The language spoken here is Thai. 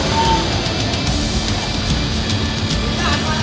ต้องกลับมาด้วย